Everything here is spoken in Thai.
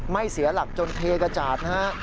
เสียหลักจนเทกระจาดนะฮะ